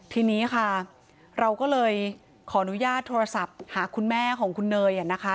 ทีนี้ค่ะเราก็เลยขออนุญาตโทรศัพท์หาคุณแม่ของคุณเนยนะคะ